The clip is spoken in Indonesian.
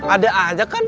ada aja kan